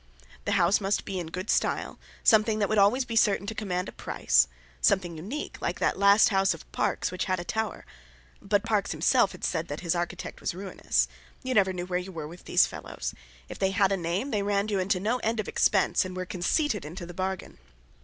The house must be in good style, something that would always be certain to command a price, something unique, like that last house of Parkes, which had a tower; but Parkes had himself said that his architect was ruinous. You never knew where you were with those fellows; if they had a name they ran you into no end of expense and were conceited into the bargain.